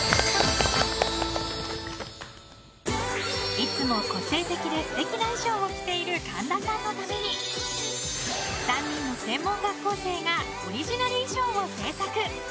いつも個性的で素敵な衣装を着ている神田さんのために３人の専門学校生がオリジナル衣装を制作。